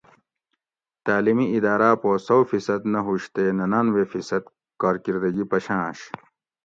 تعلیمی اِداٞراٞ پا سو فی صد نہ ہُوش تے ننانوے فی صد کارکِردگی پشاٞںش